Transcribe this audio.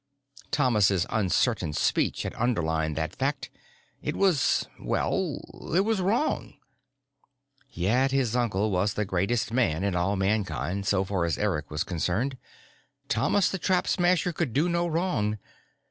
Thomas's uncertain speech had underlined that fact. It was well, it was wrong. Yet his uncle was the greatest man in all Mankind, so far as Eric was concerned. Thomas the Trap Smasher could do no wrong.